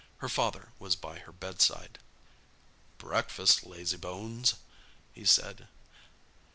Her father was by her bedside. "Breakfast, lazy bones," he said.